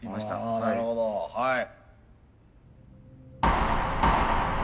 あなるほどはい。